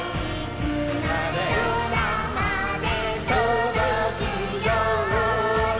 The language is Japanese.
「そらまでとどくように」